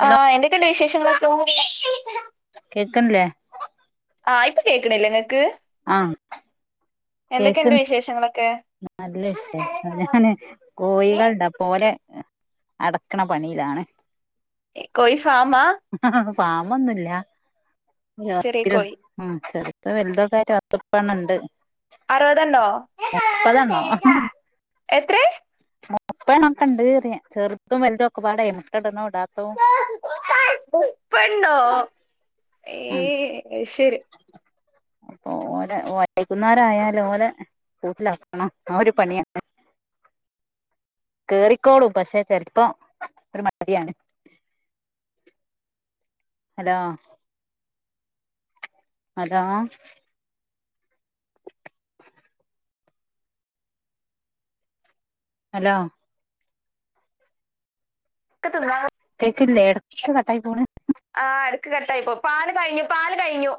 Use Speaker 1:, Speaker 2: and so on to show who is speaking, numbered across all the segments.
Speaker 1: Hello
Speaker 2: ആഹ എന്തൊക്കെയുണ്ട് വിശേഷങ്ങക്ക
Speaker 1: കേക്കണല്ലേ
Speaker 2: ആ ഇപ്പ കേൾക്കണില്ലേ നിങ്ങൾക്ക്
Speaker 1: ആഹ്
Speaker 2: എന്തൊക്കെയുണ്ട് വിശേഷങ്ങളൊക്കെ
Speaker 1: അല്ല വിശേഷം ഞാന് കോഴികളണ്ട പോല ന അടക്കണ പണയിലാണ്
Speaker 2: കോയി ഫാമ ആ
Speaker 1: ഫാമൊന്നുമില്ലരു
Speaker 2: ചെറിയ കോഴി
Speaker 1: ഉ ശരി ഇ വലു കാര് അത്രപ്പണ്ണ്ട്
Speaker 2: അറുപത്ണ്ടോ
Speaker 1: അപ്പതണോ
Speaker 2: എത്രേ
Speaker 1: മുപ്പണ ഒക്കെണ്ട്റിയ ചെറുത്തും വലുതും ഒക്കെ പാട എമക്കട
Speaker 2: പെണ്ടോ
Speaker 1: ഉം
Speaker 2: ഏ ശരി [unintelligible]
Speaker 1: അപ്പൊ ഓര വൈക്കുന്നരായാലും ഓല കൂട്ടിലാക്കണം ആ ഒരു പണിയാണ് കേറിക്കോടും പക്ഷെ ചെിലപ്പോം ഒരു മടിയാണ് ഹലോ അതാ [unintelligible] അലോ
Speaker 2: ഒക്കെ തിന്നാ
Speaker 1: കേക്കില്ലേ ഇടക്ക കട്ടായി പോണ്
Speaker 2: കട്ടായിപ്പോ പാല് കഴിഞ്ഞു പാല് കഴിഞ്ഞു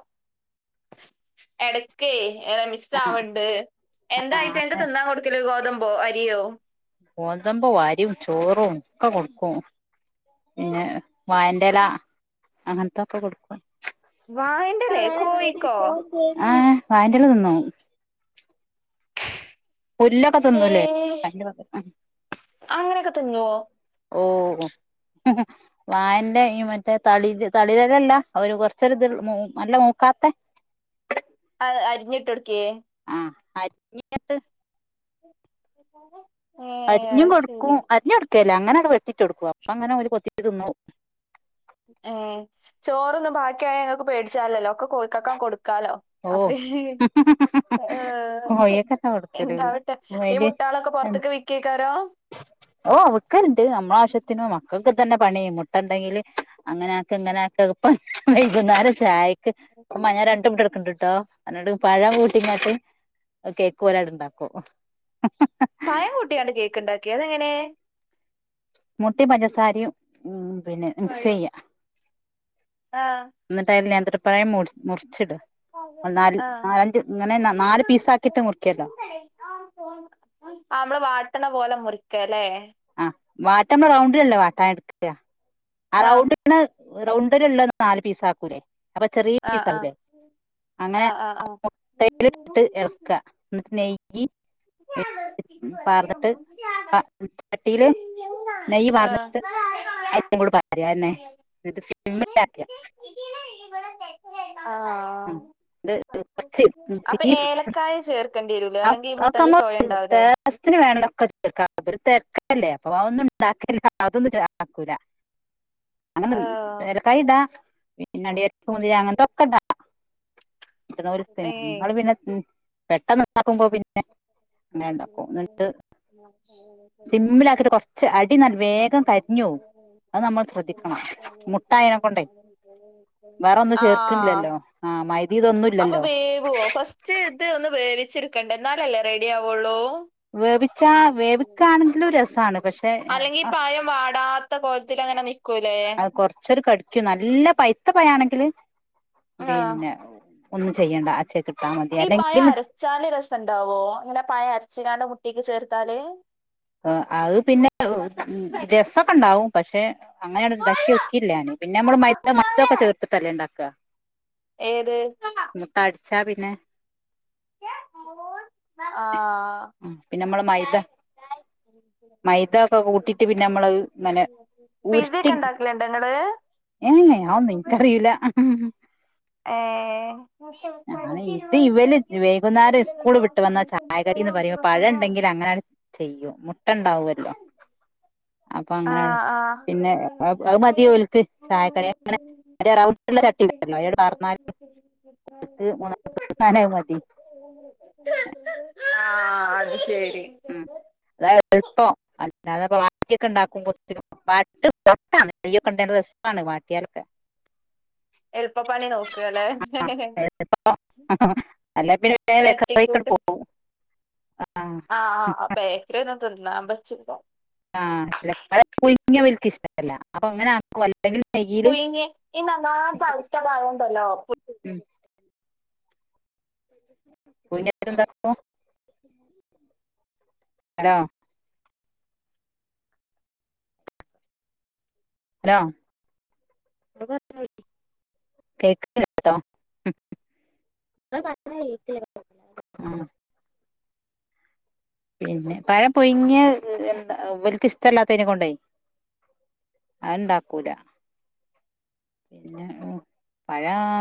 Speaker 2: എടക്കേ ഏറെ മിസ്
Speaker 1: ആ
Speaker 2: ആവണ്ട് എന്തായിട്ട് എന്റെ തിന്നാൻ കൊടുക്കല ഗോതമ്പോ അരിയോ
Speaker 1: പന്തമ്പോ വാരിയും ചോറും ഒക്കെ കൊടുക്കും പിന്നെ വായറല അങ്ങനത്തൊക്കെ കൊടുക്കും
Speaker 2: വായന്റെലേ കോഴിക്കോ
Speaker 1: ആ വയന്റെല തിന്നോ?
Speaker 2: [unintelligible] [inaudible] [unintelligible]
Speaker 1: പുല്ലൊക്കെ തിന്നുംല്ലേ
Speaker 2: ഏഹ്
Speaker 1: [unintelligible]
Speaker 2: ക്കെ തിന്നുവോ?
Speaker 1: വായന്റെ ഈ മറ്റേ തളി തളിരലല്ല ഒരു കൊർച്ചൊരു ത് മൂ നല്ല മൂക്കാത്ത
Speaker 2: ആ അരിഞ്ഞിട്ടൊട്ക്കേ?
Speaker 1: അര്ഞ്ഞ്ട്ട്
Speaker 2: [unintelligible]
Speaker 1: അരിഞ്ഞും
Speaker 2: അത് ശരി
Speaker 1: കൊടുക്കും അരിഞ്ഞു കൊടുക്ക ക്കല്ല അങ്ങനട് വെട്ടിട്ടൊട്ക്കും അപ്പൊങ്ങനെ ഓല് കൊത്തി തിന്നു
Speaker 2: ഏ ചോറൊന്നും ബാക്കിയായാ ങ്ങക്ക് പേടിച്ചാല്ലല്ലോ ഒക്കെ കോയ്ക്കക്കാങ് കൊടു ക്കാലോ
Speaker 1: ഓ
Speaker 2: അത്രേ ഏർ
Speaker 1: കോഴിയൊക്കെന്നെ കൊടുക്കല്
Speaker 2: എന്താവട്ടെ ഈ മുട്ടാളൊക്കെ
Speaker 1: കോയില്
Speaker 2: പുൊറത്ത്ക്ക്‌ വിക്കേക്കാരം? [unintelligible]
Speaker 1: ഓ വിക്കല്ണ്ട് നമ്മളാവശ്യത്തിന് മക്കക്ക്തന്നെ പണി മുട്ടണ്ടെങ്കില് അങ്ങനെയാട്ട് ഇങ്ങനെയാട്ട് പ്പ വൈകുന്നേരം ചായക്ക് മ്മാ ഞാൻ രണ്ട്‌ മുട്ട എടുക്ക്‌ണ്ട് ട്ടോ എന്നട്ട് പഴം കൂട്ടിങ്ങട്ട് കേക്ക് പോലായിട്ട് ഇണ്ടാക്കും
Speaker 2: പയംകൂട്ടികാണ്ട് കേക്ക് ണ്ടാക്കേ? അതെങ്ങനെ?
Speaker 1: മുട്ടിം പഞ്ചസാരിയും ഉം പിന്നെ മിക്സ് ചെയ്യ
Speaker 2: ആ
Speaker 1: ന്നിട്ടായ്ല് നേന്ത്രപ്പഴം മുർ നാല്
Speaker 2: ആ
Speaker 1: നാലഞ്ച് ഇങ്ങനെ നാല് പീസ് ആക്കിയിട്ട്
Speaker 2: [unintelligible]
Speaker 1: മുറിക്കല്ലോ
Speaker 2: നമ്മള് വാട്ട്ണ പോലെ മുറിക്കലേ
Speaker 1: ആഹ് വാട്ട്മ്പൊ റൗണ്ടിലല്ലേ വാട്ടാൻ എടുക്ക ആ റൗണ്ടണ് റൗണ്ടില്ള്ള നാല് പീസാക്കൂലേ അപ്പൊ ചെറീ
Speaker 2: ആ ആ
Speaker 1: പീസാകൂലേ അങ്ങനെ ആ മുട്ടയില് ഇട്ട് ഇളക്ക ന്നിട്ട് നെയ്യ് പാർന്നിട്ട്
Speaker 2: [unintelligible]
Speaker 1: ചട്ടിയില് നെയ്യ്
Speaker 2: ആ
Speaker 1: പാർന്നിട്ട് അതിലും കൂടെ പാരുക തന്നെ
Speaker 2: [unintelligible]
Speaker 1: എന്നിട്ട് സിമ്മിലാക്കുക
Speaker 2: [unintelligible] അപ്പൊ ഏലക്കായ ചേർക്കേണ്ടി വരൂലേ
Speaker 1: ആ
Speaker 2: അല്ലെങ്കിൽ ഈ മുട്ടന്റെ ചോയ
Speaker 1: [unintelligible]
Speaker 2: ഉണ്ടാവില്ലേ
Speaker 1: ടേസ്റ്റിന് ന് വേണ്ടൊക്കെ ചേർക്ക ല്ലേ അപ്പൊ ഒന്നും ഇണ്ടാക്കില്ല അതൊന്നുംണ്ടാക്കൂല
Speaker 2: ആ
Speaker 1: അങ്ങന ഏലക്കായിടാ പിന്നെ അണ്ടിപ്പരിപ്പ് മുന്തിരി അങ്ങൻത്തൊക്കടാ [unintelligible]
Speaker 2: ഏ
Speaker 1: പിന്നെ പെട്ടെന്ന് ഉണ്ടാക്കുമ്പോ പിന്നെ
Speaker 2: [unintelligible]
Speaker 1: അങ്ങനെ ഉണ്ടാക്കും സിമ്മിലാക്കിയിട്ട് കുറച്ച് അടി നല്ല വേഗം കരിഞ്ഞു പോകും അത് നമ്മൾ ശ്രദ്ധിക്കണം മുട്ടായതിനെ കൊണ്ടേ വേറെ ഒന്നും
Speaker 2: ആഹ്
Speaker 1: ചേർക്കണില്ലല്ലോ ആഹ് മൈദ ഇതൊന്നും
Speaker 2: അപ്പൊ
Speaker 1: ഇല്ലല്ലോ
Speaker 2: വേവോ ഫസ്റ്റ് ഇത് ഒന്ന് വേവിച്ചെടു- ക്കണ്ടെ ന്നാലല്ലേ റെഡി ആവുള്ളൂ?
Speaker 1: വേവിച്ചാ വേവിക്കാണെങ്കിലും രസാണ് പക്ഷെ
Speaker 2: അല്ലെങ്കി പയം വാടാത്ത പോ ത്തിലങ്ങനെ
Speaker 1: അത് കൊറച്ചൊരു കടിക്കും നല്ല പൈത്ത പയാണെങ്കില്
Speaker 2: ആ
Speaker 1: പിന്നെ ഒന്നും ചെയ്യേണ്ട അച്ചൽക്ക്‌ട്ട
Speaker 2: ഈ പഴം അരച്ചാല് രസംണ്ടാവോ ഇങ്ങനെ പഴം അരച്ചികാണ്ട് മുട്ടീക്ക് ചേർത്താല്?
Speaker 1: അത് പിന്നെ രസൊക്കെണ്ടാവും പക്ഷെ അങ്ങനെയാണ് ണ്ടാക്കിയൊക്കീല്ല ഞാന് പിന്നെ മ്മള് മര്ന്ന് മയ്തൊക്കെ ചേർത്തിട്ടല്ലേ ണ്ടാക്ക
Speaker 2: ഏത്?
Speaker 1: ച്ച പിന്നെ
Speaker 2: ആ
Speaker 1: പിന്നമ്മള മൈദ
Speaker 2: [unintelligible]
Speaker 1: മൈദ ഒക്കെ കൂട്ടിട്ട് പിന്നെ നമ്മള് ഇങ്ങനെ
Speaker 2: പിസ ഒക്കെ ഉണ്ടാക്കലണ്ട് നിങ്ങള്
Speaker 1: ഏ അവന്ന നിനിക്കറിയില്ല ഇത് ഇവല്
Speaker 2: ഏ
Speaker 1: ന്ന് പറയുമ്പ പഴുണ്ടെങ്കിലിൽ അങ്ങനൊണ് ചെയ്യൂ മുട്ട ഉണ്ടാവല്ലോ അപ്പൊ
Speaker 2: ആ
Speaker 1: അങ്ങനെ
Speaker 2: ആ
Speaker 1: പിന്നെ അത് മതി ഒൽക്ക് ചായക്കട അങ്ങനെ ട് പറഞ്ഞാല് ണക്കാന മതി [unintelligible]
Speaker 2: [unintelligible] ആഹ അത് ശരി
Speaker 1: ഉം അതായ അല്പം [unintelligible] അല്ലാതെ വട്ടിയൊക്കെ ഉണ്ടാക്കും പൊൊക്കെ ഉണ്ട രസമാണ് വാട്ടിയാലൊക്കെ [unintelligible]
Speaker 2: എളുപ്പപ്പണി നോക്കുക അല്ലേ
Speaker 1: എളുപ്പം അല്ല പിന്നെ ഇക്കടെ പോവും [unintelligible] ആഹ
Speaker 2: ആഹ് അപ്പേക്കറി തന്നാൻ പച്ച
Speaker 1: ആഹ കുങ്ങവലക്ക് ഇഷ്ടമല്ല അപ്പൊ അങ്ങനെ അല്ലെങ്കിൽ നെയ്യില്
Speaker 2: പുഞ്ഞ [unintelligible] ഈ നല്ല പഴുത്ത പയംണ്ടല്ലോ
Speaker 1: ഉം കുയി എന്താ [unintelligible] ആണോ ഹലൊ [unintelligible] [unintelligible] കേക്ക് ല്ല ട്ടോ ഇങ്ങള് പറ്ഞ്ഞ [unintelligible] [unintelligible] [unintelligible] [unintelligible] ആഹ് പിന്നെ പഴം പ പുഴ്ങ്ങിയഹ് എന്താ വെല്ക്ക് ഇഷ്ടല്ലാത്തൈ നെ കൊണ്ടെ അഹ് ഇണ്ടാക്കൂല പിന്നെ പഴാ